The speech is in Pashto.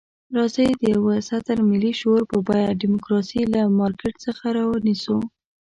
راځئ د یوه ستر ملي شعور په بیه ډیموکراسي له مارکېټ څخه رانیسو.